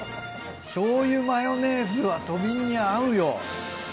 しょうゆマヨネーズはとびんにゃ合うよ。